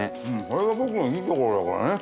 それが僕のいいところだからね。